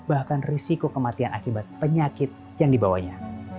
bahkan risiko kematian akibat penyakit yang dibawanya